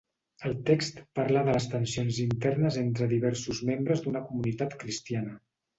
El text parla de les tensions internes entre diversos membres d'una comunitat cristiana.